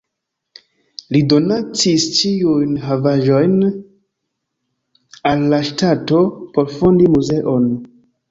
Li donacis ĉiujn havaĵojn al la ŝtato, por fondi muzeon.